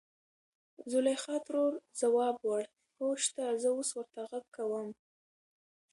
زليخا ترور ځواب وړ .هو شته زه اوس ورته غږ کوم.